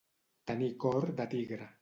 Tenir cor de tigre.